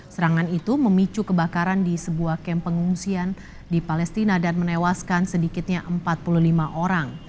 serangan itu memicu kebakaran di sebuah kamp pengungsian di palestina dan menewaskan sedikitnya empat puluh lima orang